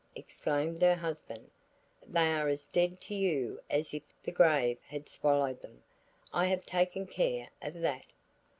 exclaimed her husband. "They are as dead to you as if the grave had swallowed them. I have taken care of that."